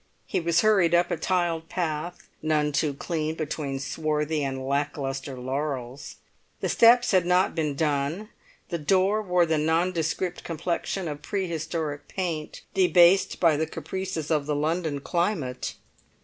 He was hurried up a tiled path, none too clean between swarthy and lack lustre laurels; the steps had not been "done"; the door wore the nondescript complexion of prehistoric paint debased by the caprices of the London climate.